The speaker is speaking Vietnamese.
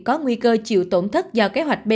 có nguy cơ chịu tổn thất do kế hoạch b